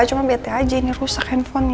cuma bt aja ini rusak handphonenya